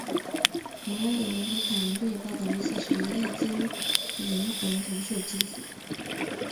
马尔等人和卡林顿也报道了一些随意经历灵魂投射的技术。